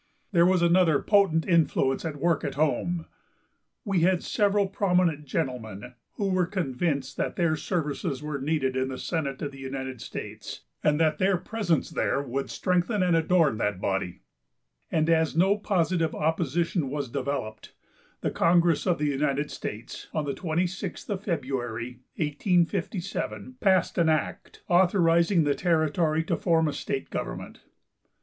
There was another potent influence at work at home. We had several prominent gentlemen who were convinced that their services were needed in the senate of the United States, and that their presence there would strengthen and adorn that body, and as no positive opposition was developed, the congress of the United States, on the 26th of February, 1857, passed an act, authorizing the territory to form a state government.